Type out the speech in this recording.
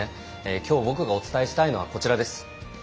きょう僕がお伝えしたいのはこちらです。